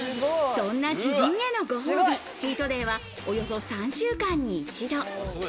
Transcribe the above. そんな自分へのご褒美、チートデイはおよそ３週間に一度。